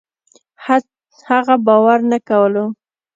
هغه باور نه کولو